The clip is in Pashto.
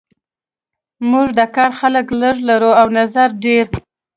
موږ د کار خلک لږ لرو او د نظر ډیر